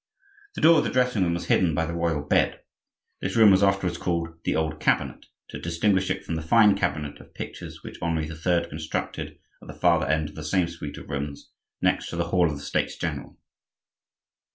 The door of the dressing room was hidden by the royal bed. This room was afterwards called "the old cabinet," to distinguish it from the fine cabinet of pictures which Henri III. constructed at the farther end of the same suite of rooms, next to the hall of the States general.